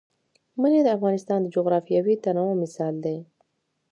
منی د افغانستان د جغرافیوي تنوع مثال دی.